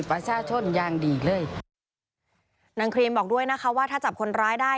เพราะอาจจะเป็นคู่เวรคู่กันนะครับ